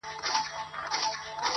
نه معلوم یې چاته لوری نه یې څرک سو.!